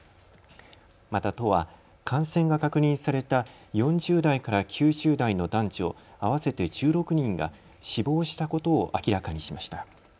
また都は感染が確認された４０代から９０代の男女合わせて１６人が死亡したことを明らかにしました。